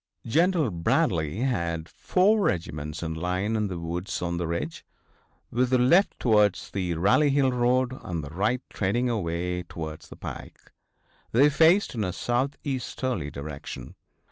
General Bradley had four regiments in line in the woods on the ridge, with the left towards the Rally Hill road and the right trending away towards the pike. They faced in a southeasterly direction.